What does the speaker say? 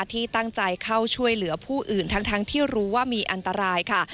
ที่ตั้งใจเข้าช่วยเหลือผู้อื่นทั้งที่รู้ว่ามีอันตรายค่ะ